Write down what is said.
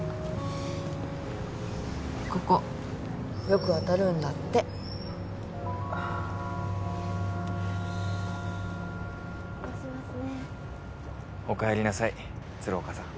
ここよく当たるんだっておろしますねお帰りなさい鶴岡さん